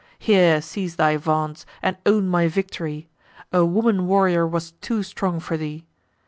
Here cease thy vaunts, and own my victory: A woman warrior was too strong for thee.